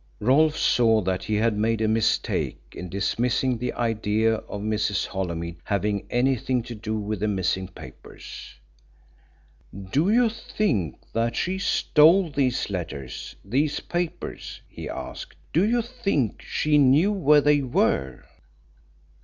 Rolfe saw that he had made a mistake in dismissing the idea of Mrs. Holymead having anything to do with the missing papers. "Do you think that she stole these letters these papers?" he asked. "Do you think she knew where they were?"